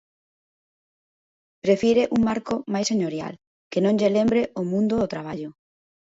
Prefire un marco máis señorial, que non lle lembre o mundo do traballo.